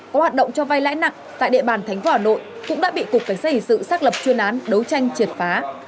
có hoạt động cho vai lãi nặng tại địa bàn thánh phố hà nội cũng đã bị cục cảnh sát hỷ sự xác lập chuyên án đấu tranh triệt phá